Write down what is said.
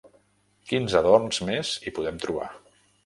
Quins adorns més hi podem trobar?